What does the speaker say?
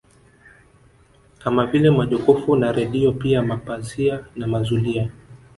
Kama vile majokofu na redio pia mapazia na mazulia